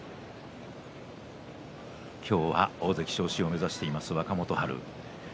今日は大関昇進を目指しています若元春。